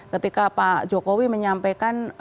ketika pak jokowi menyampaikan